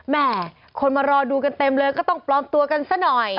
แม่คนมารอดูกันเต็มเลยก็ต้องปลอมตัวกันซะหน่อย